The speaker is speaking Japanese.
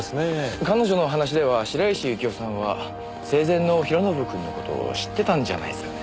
彼女の話では白石幸生さんは生前の弘信くんの事を知ってたんじゃないっすかね？